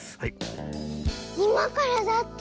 いまからだって！